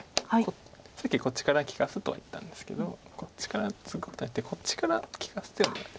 さっきこっちから利かすとは言ったんですけどこっちからツグんじゃなくてこっちから利かす手を見てます。